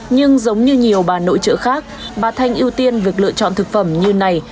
nhưng giống như nhiều bà nội trợ khác bà thanh ưu tiên việc lựa chọn thực phẩm như này